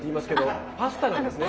あのパスタなんです。